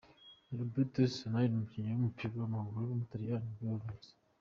Roberto Soriano, umukinnyi w’umupira w’amaguru w’umutaliyani nibwo yavutse.